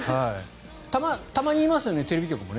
たまにいますよね、テレビ局も。